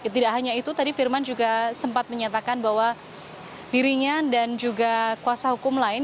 tidak hanya itu tadi firman juga sempat menyatakan bahwa dirinya dan juga kuasa hukum lain